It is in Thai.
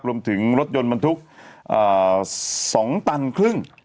รวมถึงรถยนต์บรรทุก๒ตันครึ่ง